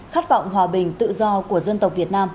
khát vọng hòa bình tự do của dân tộc việt nam